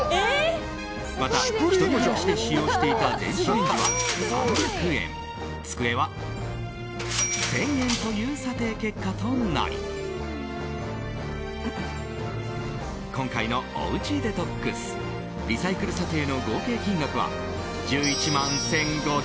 また、１人暮らしで使用していた電子レンジは３００円机は１０００円という査定結果となり今回のおうちデトックスリサイクル査定の合計金額は１１万１５００円。